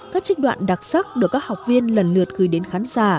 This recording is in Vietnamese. các trích đoạn đặc sắc được các học viên lần lượt gửi đến khán giả